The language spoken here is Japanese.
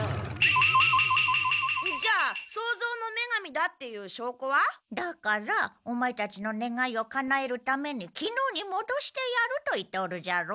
じゃあ創造の女神だっていう証拠は？だからオマエたちのねがいをかなえるためにきのうにもどしてやると言っておるじゃろ。